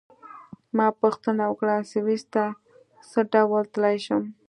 ما پوښتنه وکړه: سویس ته څه ډول تلای شم؟